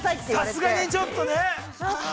◆さすがにちょっとね。